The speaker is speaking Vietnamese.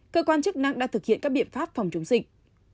cơ quan chức năng đã thực hiện các biện pháp phòng chống dịch